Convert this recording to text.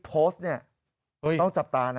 โพสต์เนี่ยต้องจับตานะ